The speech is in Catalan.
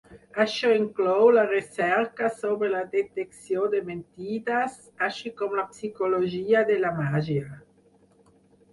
Això inclou la recerca sobre la detecció de mentides, així com la psicologia de la màgia.